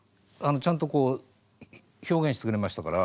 ちゃんとこう表現してくれましたから。